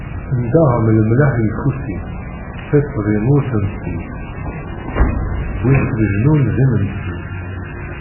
Nnḍeɣ-am lemlaḥ yeffusi, tiṭ deg-m ur tensi, wwin-tt leǧnun d imensi.